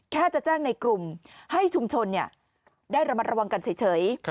แค่จะแจ้งในกลุ่มให้ชุมชนได้ระมัดระวังกันเฉย